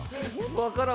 わからん。